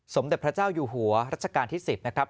สมเด็จพระเจ้าอยู่หัวรัชกาลที่๑๐นะครับ